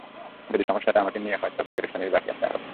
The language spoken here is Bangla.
যদি সমস্যাটা আমাকে নিয়ে হয়, তবে পেরেশানির বাকি আছে আরো।